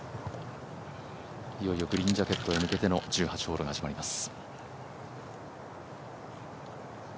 いよいよグリーンジャケットに向けての１８番が始まります。